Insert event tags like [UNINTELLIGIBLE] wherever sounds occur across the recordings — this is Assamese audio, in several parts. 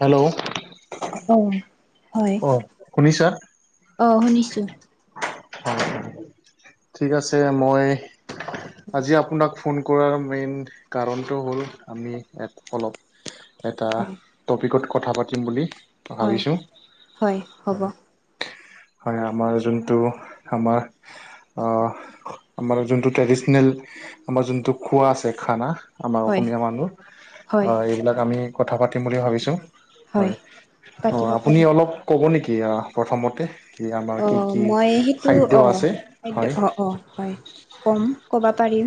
হেল্ল'। অ' হয় অ শুনিছা? আহ শুনিছো। হয় হয়। ঠিক আছে মই আজি আপোনাক। ফোন কৰাৰ মেইন কাৰণটো হ'ল আমি ইয়াত অলপ এটা হয় টপিকত কথা পাতিম বুলি। হয় ভাবিছো। হয় হ'ব হয় আমাৰ যোনটো আমাৰ। অ' আমাৰ যোনটো ট্ৰেডিচনেল আমাৰ যোনটো খোৱা আছে খানা আমাৰ হয় অসমীয়া মানুহ হয় এইবিলাক আমি কথা পাতিম বুলি ভাবিছোঁ। হয় অ' পাতিব আপুনি পাৰিম অলপ কব নেকি অ প্ৰথমতে। কি আমাৰ অ কি কি মই সেইটো খাদ্য অ আছে? হয় অ', অ' হয় কম ক'ব পাৰিম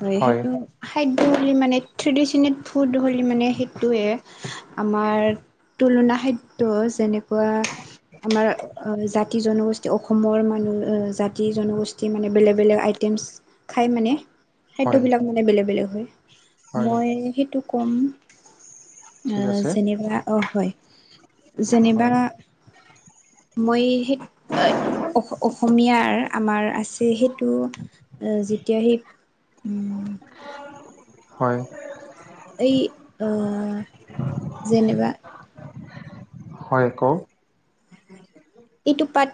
হয় সেইটো খাদ্য হ'লে মানে ট্ৰেডিচনেল ফুড হ'লে মানে সেইটোৱে আমাৰ। তুলনা খাদ্য যেনেকুৱা। আমাৰ জাতি জনগোষ্ঠী অসমৰ মানুহ আহ জাতি জনগোষ্ঠী। মানে বেলেগ বেলেগ আইটেমছ খাই মানে হয় খাদ্যবিলাক মানে বেলেগ বেলেগ হয়। হয় মই সেইটো ক'ম। ঠিক আহ আছে যেনিবা অ' হয় যেনিবা। হয় মই সেই অ' অসমীয়াৰ আমাৰ আছে সেই। যেতিয়া সে উ হয়। এই আহ যেনিবা হয় আকৌ। ইটোপাত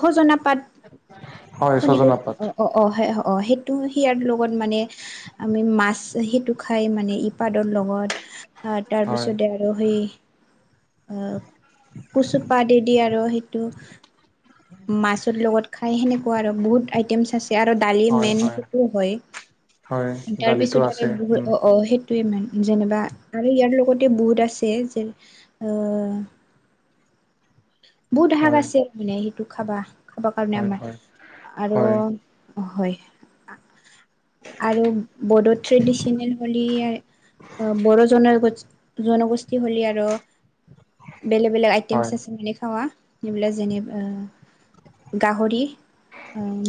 সজনা পাত হয় শন পাই ছজনা পাত অ', অ', অ'। অ' সয়াৰ লগত মানে আমি মাছ সেইটো খাই মানে ইপাদৰ লগত। হয় তাৰপিছতে আৰু সেই কুচুপা দি আৰু সেইটো। মাছৰ লগত খাই সেনেকুৱা আৰু বহুত আইটেমছ আছে। আৰু দালি হয় মেইন হয় সেইটো হয় তাৰ দালিটো পিছত আছে আৰু উম বু সেই। মান যেনিবা আৰু ইয়াৰ লগতে বহুত আছে যে [INAUDIBLE] বহুত হাগ হয় আছে মানে সেইটো খাবা খাব কাৰণে হয় আমাৰ হয় আৰু। হয় হয়। আৰু বড়ো ট্ৰেডিচনেল হল বড়ো জনগষ্ঠ জনগোষ্ঠী হল আৰু বেলেগ বেলেগ আইটেমছ হয় আছে মানে। চাৱা যবিল যেনা। গাহৰি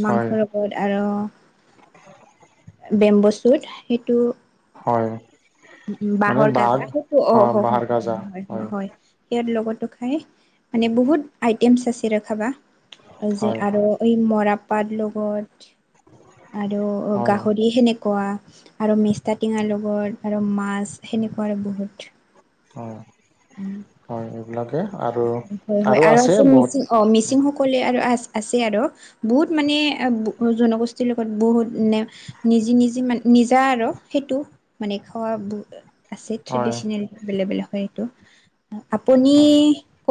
হয় মাংসৰ লগত আৰু। বেম্বচুত সেইটো। হয়। উ উ মানে বাঁহৰ বাঘ গাজা সেইটো অ' হয় হয় সেইয়াৰ লগত ত ত খাই মানে বহুত আইটেমছ আছে ৰখাবা যে হয় হয় আৰু এই মৰপ পাট লগত। আৰু হয় গাহৰি সেনেক ৱা আৰু মেষ্টা টেঙাৰ লগত আৰু মাছ সেনেকুৱা আৰু বহুত। হয়। উম। হয় এইবিলাকে আৰু হয় হয় হয় আৰু আছে মিচিং অ মিচিং সকলে আৰু আ। আছে আৰু বহুত মানে জনগোষ্ঠীৰ লগত বহুত ন নিজি নিজি মান। নিজা আৰু সেইটো মানে খোৱা। আছে হয় ট্ৰেডিচনেল বেলেগ বেলেগ হয় এইটো আপুনি হয়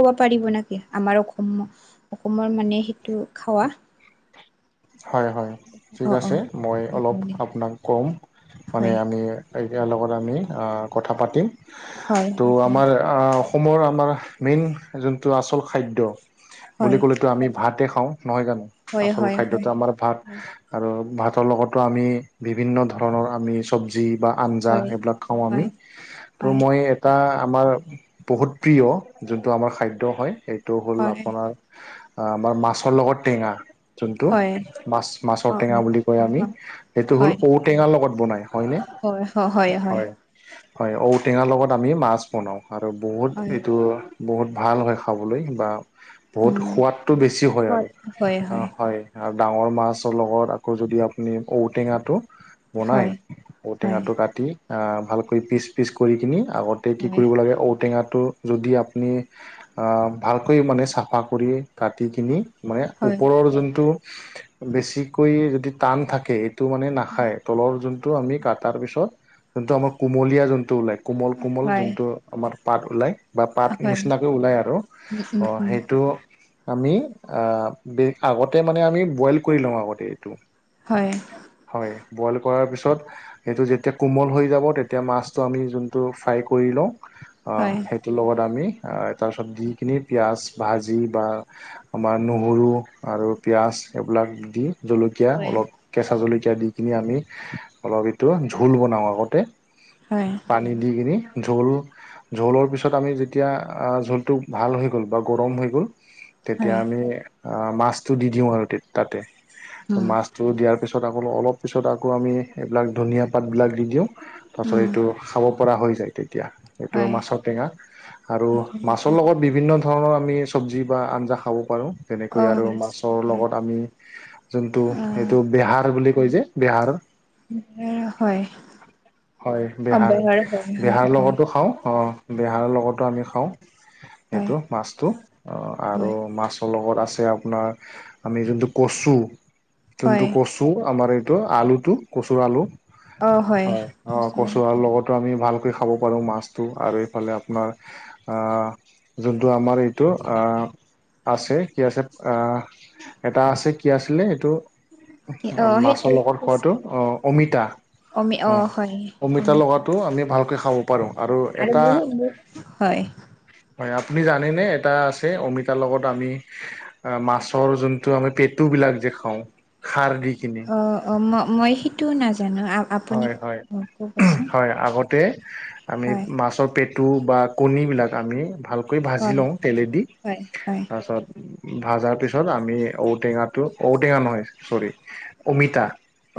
[UNINTELLIGIBLE] হয় হয় ঠিক অ অ আছে মই অ অলপ অ দে আপোনাক ক'ম মানে হয় আমি। এইাৰ লগত আমি কথা পাতিম হয় ত' আমাৰ। অসমৰ আমাৰ মেইন যোনটো আচল খাদ্য বুলি হয় ক'লেতো আমি ভাতে খাওঁ নহয় জানো হয় হয় আচল হয় খাদ্যটো আমাৰ ভাত হয় আৰু ভাত। ভাতৰ লগতো আমি বিভিন্ন ধৰণৰ আমি চবজি। বা আঞ্জা হয় এইবিলাক খাওঁ আমি হয় তো মই এটা তোমাৰ বহুত প্ৰিয় যোনটো আমাৰ খাদ্য সেইটো হল হয় আপোনাৰ আমাৰ মাছৰ লগত টেঙা। যোনটো হয় মাছ মাছৰ অ টেঙা অ বুলি কয় আমি অ সেইটো হ'ল হয় ঔটেঙাৰ লগত বনাই। হয়নে হয়। হয় ঔটেঙাৰ লগত আমি মাছ বনাওঁ আৰু বহুত হয় এইটো। বহুত ভাল হয় খাবলৈ বা বহুত উম সোৱাদটো বেছি হয় আৰু। হয় হয় হয় আৰু ডাঙৰ মাছৰ লগত আকৌ যদি আপুনি ঔটেঙা। বনাই হয় হয় ঔটেঙাটো কাটি আহ ভালকৈ পিচ পিচ কৰি কিনি আগতে কি কৰিব লাগে ঔটেঙাত টো যদি আপুনি ভালকৈ মানে চাফা কৰি কাটি কিনি মানে হয় ওপৰৰ যোনটো বেছিকৈ যদি টান থাকে। টো মানে হয় নাখায় তলৰ যোনটো আমি কাটাৰ পিছত যোনটো আমাৰ কুমলীয়া যোনটো ওলাই কোমল কোমল হয় যোনটো আমাৰ পাত ওলায়। বা পাত নিচিনাকৈ ওলায় আৰু উম উম উম সেইটো। আমি আহ আগতে মানে আমি বইল কৰি লওঁ আগতে এইটো। হয় হয় বইল কৰাৰ পিছত পছত এইটো যেতিয়া কোমল হৈ যাব তেতিয়া মাছটো আমি যোনটো ফ্ৰাই কৰি লওঁ। হয় সেইটোৰ লগত আমি। তাৰ চব দি কিনি পিঁয়াজ ভাজি বা আমাৰ নহৰু আৰু পিঁয়াজ এইবিলাক দি জলকীয়া হয় অলপ কেঁচা জলকীয়া। দি কিনি আমি অলপ এইটো ঝোল বনাওঁ আগতে হয় পানী দি। ঝোল ঝোলৰ পিছত আমি যেতিয়া ঝোলটো ভাল হৈ গ'ল বা গৰম হৈ গ'ল। তেতিয়া হয় আমি আহ মাছটো দি দিওঁ আৰু তাতে উম মাছটো দিয়াৰ ত পিছত আকৌ অলপ পিছত আকৌ আমি এইবিলাক ধনিয়া পাতবিলাক দি দিওঁ তাৰপিছত উম এইটো খাব পৰা হৈ যায় তেতিয়া এইটো হয় মাছৰ টেঙা আৰু মাছৰ লগত বিভিন্ন ধৰণৰ আমি চব্জি বা আঞ্জা খাব পাৰোঁ অ যেনেকৈ আৰু হয় মাছ লগত আমি যোনটো এইটো বেহাৰ বুলি কৈ যে বেহাৰ হয় হয় বেহাৰ অব্যাহৰ হয় হয় বেহাৰ হয় লগতো খাও অ বেহাৰৰ লগতো আমি খাওঁ হয় সেইটো মাছটো আৰু হয় মাছৰ লগত আছে আপোনাৰ আমি যোনটো কচু যোনটো হয় কচু আমাৰ এই আলুটো কচুৰ অ হয় সেইটো আলু লগ আমি ভাল কৰি খাব পাৰোঁ মাছটো আৰু এইফালে আপোনাৰ যোনটো আমাৰ এইটো আহ আছে কি আছে আহ এটা আছে কি আছিলে এইটো কি অ মাছৰ সেইটো লগত খোৱাাতটো অ অমিতা অমি অ হয় অমিতা লগাটো আমি ভালকৈ খাব পাৰোঁ আৰু এটা হয় হয় আপুনি জানে এটা আছে অমিতা লগত আমি মাছ অঁ আমি জোনটো পেটু বিলাক যে খাও খাৰ দি কিনে অ অ ম মই সেইটো নাজানো আপুনি অ কবচোন অঁ আমি হয় মাছৰ পেটু বা কনীবিলাক আমি ভাল কৈ ভাজি হয় লওঁ তেলেদি হয় হয় তাৰপিছত ভজাৰ পিছত আমি ঔটেঙাটো ঔটেঙা নহয় চ'ৰি অমিতা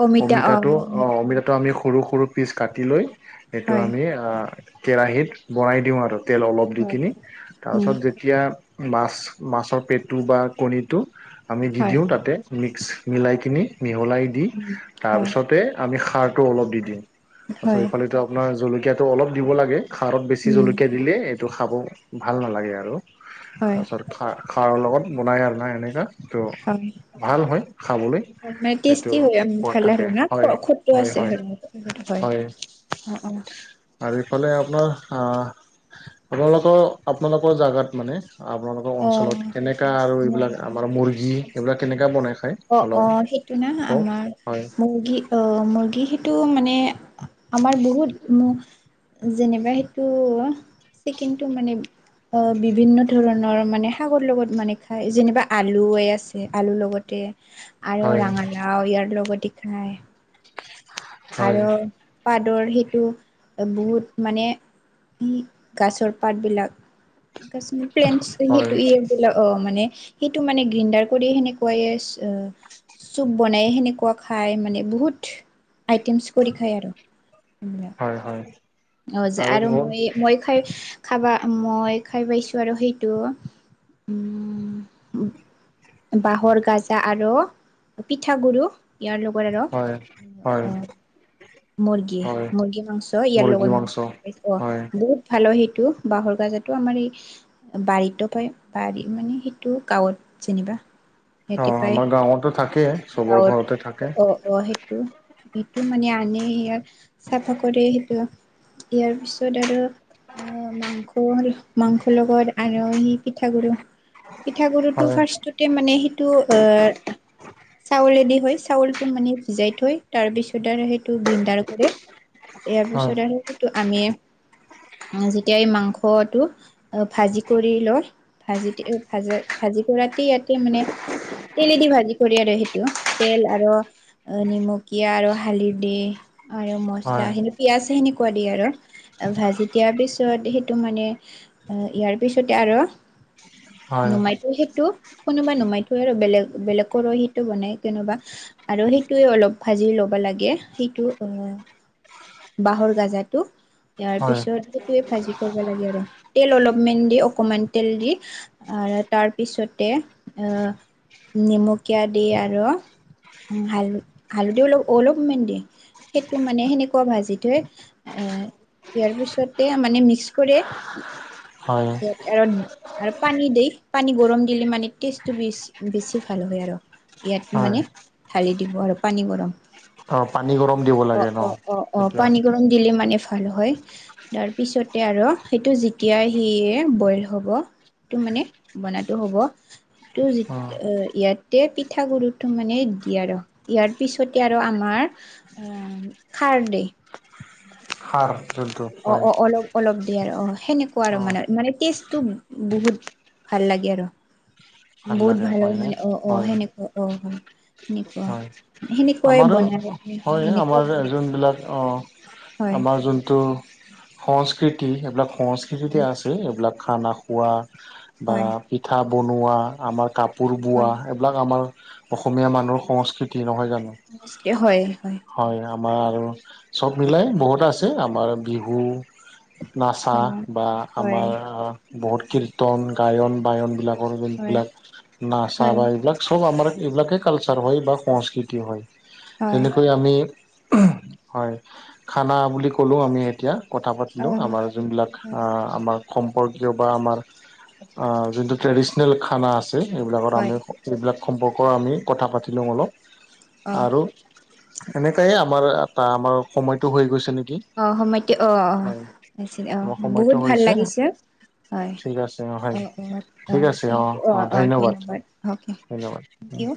অমিতা অ অ অমিতা অমিতাটো আমি সৰু সৰু পিচ কাটি লৈ সেইটো হয় আমি কেৰাহিত বনাই দিওঁ আৰু তেল অলপ দি হয় কিনি উম তাৰপিছত যেতিয়া মাছ মাছৰ পেটটো বা কণীটো আমি দি হয় দিওঁ তাতে মিলাই কিনি মিহলাই দি উম হয় তাৰপিছতে আমি খাৰটো অলপ দি দিওঁ তাৰছত স হয় এইফালে আপোনাৰ জলকীয়াটো অলপ দিব লাগে খাৰত বেছি উম জলকীয়া দিলে সেইটো খাব ভাল নালাগে আৰু হয় তাৰপিছত খাৰ খাৰৰ লগত বনাই আৰু নাই এনেকুৱা তটো হয়। ভাল হয় খাবলৈ মানে সেইটো পৰত থাকে হয় ঠিকে হয় আছে হয় হয় [UNINTELLIGIBLE] আৰু এইফালে আপোনাৰ আপোনালোকৰ আপোনালোকৰ জোগাত মানে আপোনালোকৰ অ', অঞ্চলত কেনেকা আৰু মই এইবিলাক আমাৰ মুৰ্গী আমাৰ এইবিলাক কেনেকা বনাই খায় অ', অ', অলপ সেইটো না কওক আমাৰ হয় মুৰ্গী আহ মুৰ্গী সেইটো মানে আমাৰ বহুত যেনিবা সেইটো চিকটো মানে বিভিন্ন ধৰণৰ মানে শাগৰ লগত মানে খাই যেনিবা আলুে আছে আলুৰ লগতে আৰু হয় ৰঙালাও ইয়াৰ লগতে খাই হয় আৰু পাত [UNINTELLIGIBLE] া প্লেনু ইয়াৰ দিলাক অ [UNINTELLIGIBLE] হয় সেইটো মানে গ্ৰীণ্ডাৰ কৰিে সেনেকুৱাই আহ চুপ বনাই সেনেকুৱা খায় মানে বহুত আইটেমছ কৰি খায় আৰু এইবিলাক হয় হয় অ আৰু মই মই খাই খাবা মই খাই পাইছোঁ আৰু সেইটো বাঁহৰ গাজা আৰু পিঠাগু়ৰু ইয়াৰ লগত হয় আৰু হয় অ হয় মুৰ্গী-মুৰ্গী মাংস ইয়াৰ মুৰ্গী লগত মাংস মত খাই পাইছ হয় অ বহুত ভালো বাঁহৰ গাজা আমাৰ এই বাৰীতো পায় বাৰী মানে সেইটো গাঁৱত যেনিবা অ, সিহঁতি পায় আমাৰ সেইটো গাঁৱতো থাকেই। চবৰ গাঁৱত ঘৰতে থাকে থ অ-অ সেইটো এইটো মানে আনে সয়াৰ চাফা কৰে সেইটো ইয়াৰ পিছত আৰু আহ মাংস-মাংসৰ লগত আৰু সি পিঠাগুৰি পিঠা গুডৰুটো হয় ফাৰ্ষ্টতে মানে সেইটো এ চাউলৰেদি হয় চাউলটো মানে ভিজাই থৈ তাৰ পিছত আৰু সেইটো গ্ৰিণ্ডাৰ কৰে। ইয়াৰ হয় পিছত আৰু সেইটো আমি যেতিয়া এই মাংসটো ভাজি কৰি লয়। ভাজি ভাজা ভাজি কৰাতে ইয়াতে মানে তেলেদি ভাজি কৰি আৰু সেই তেল আৰু নিমকীয়া আৰু হালিধি। আৰু মছলা হয় স পিয়াজ সেনেকুৱা দিয়ে আৰু ভাজি দিয়াৰ পিছত সেইটো মানে ইয়াৰ পিছতে আৰু হয় নুমাইতো সেইটো কোনোবা নুমাই থো আৰু বেলেগ বেলেগৰো সি বনাই কেনোবা আৰু সেইটো অলপ ভাজি ল'ব লাগে সেইটো আহ বাঁহৰ গাজাটো ইাৰ হয় পিছত সেইটোয়ে ভাজি কৰিব লাগে আৰু তেল অলপমান দি অকমান তেল দি আৰু তাৰপিছতে নিমকীয়া দি আৰু হাল হালধি অলপ অলপমান দিয়ে সেইটো মানে সেনে ভাজি থৈ ইয়াৰ পিছতে মানে মিক্স কৰে। হয় ইয়াত আৰু আৰু পানী দ পানী গৰম দিলে মানে টেষ্টটো বে বেছি ভাল হয়। হয় মানে ঢালি দিব আৰু পানী গৰ অ পানী গৰম দিব লাগে ন? অ, তেতিয়া পানী গৰম দি মানে ভাল হয়। তাৰপিছতে আৰু সেইটো যেতিয়া সিয়ে বইল হ'ব তটো মানে বনাতটো হ'ব অ' অ ইয়াতে পিঠা গুৰুটো মানে দিয়ে আৰু ইয়াৰ পিছতে আৰু আমাৰ খাৰদি সাৰ যোনটো অ', হয় অ' অলপ অলপ দিয় আৰু অ' সেনেকুৱা আৰু অ মানে মানে টেষ্ট তো বহুত ভাল লাগে আৰু বহুত লাগে ভাল হয় হয়নে মানে অ', অ' হয় সেনেকুৱা অ' হয়। সেনেকুৱা হয়। সেনেকুৱাই আমাৰো বনালে হয়। এনেকুৱা আমাৰ বনাই যোনবিলাক অ' হয় আমাৰ যোনটো সংস্কৃতি এইবিলাক সংস্কৃতিতে আছে। এইবিলাক খানা খোৱা বা হয় পিঠা বনোৱা আমাৰ কাপোৰ বোৱা হয় এইবিলাক আমাৰ অসমীয়া মানুহৰ সংস্কৃতি নহয় জানো। [UNINTELLIGIBLE] হয়-হয়। হয় আমাৰ চব মিলাই বহুত আছে আমাৰ বিহু নাচা বা হয় আমাৰ বহুত কীৰ্তন গায়ন বায়ন বিলাক হয় এইবিলাক নাচা হয় বা এইবিলাক সব আমাৰ এইবিলাকে কালচাৰ হয় বা সংস্কৃতি হয়। হয় হয় যেনেকৈ আমি হয় খানা বুলি ক'লোঁ আমি এতিয়া কথা অ পাতিলোঁ আমাৰ যোনবিলাক আমাৰ সম্পৰ্কীয় বা আমাৰ যোনটো ট্ৰেডিশনেল খানা আছে। হয় বিলাক সম্পৰ্ক আমি কথা পাতি লওঁ অলপ অ আৰু এনেকাইে আমাৰ এটা আমাৰ সময়তটো হৈ গৈছে নেক অ', সময় অ', অছিল। অ' আমাৰ সময়টো বহুত ভাল হৈছে লাগিছে। হয় ঠিক আছে হয় অ', অ', অ'থেংক অ', অ' ধন্যবাদ অকে। ধন্যবাদ থেংক ইউ